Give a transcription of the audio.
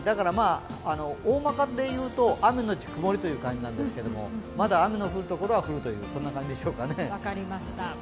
おおまかで言うと、雨のち曇りという感じなんですけど、まだ雨の降るところは降るというそんな感じでしょうかね。